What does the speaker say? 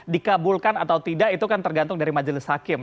dikabulkan atau tidak itu kan tergantung dari majelis hakim